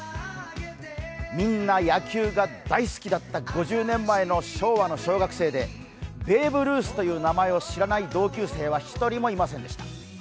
みんな野球が大好きだった５０年前の昭和の小学生でベーブ・ルースという名前を知らない同級生は一人もいませんでした。